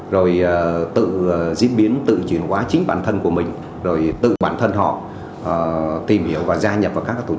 rồi tự diễn biến tự chuyển hóa chính bản thân của mình rồi tự bản thân họ tìm hiểu và gia nhập vào các tổ chức phản động